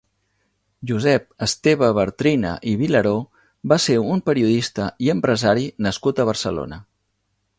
Josep Esteve Bartrina i Vilaró va ser un periodista i empresari nascut a Barcelona.